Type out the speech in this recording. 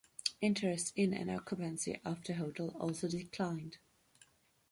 Interest in and occupancy of the hotel also declined.